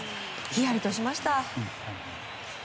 ひやりとしました。